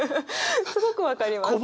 すごく分かります。